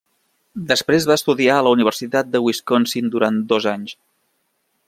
Després va estudiar a la Universitat de Wisconsin durant dos anys.